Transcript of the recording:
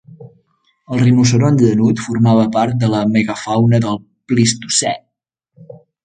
El rinoceront llanut formava part de la megafauna del Plistocè.